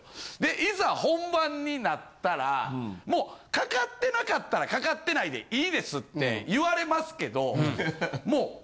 いざ本番になったらもうかかってなかったらかかってないでいいですって言われますけど。